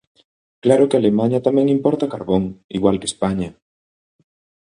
Claro que Alemaña tamén importa carbón, igual que España.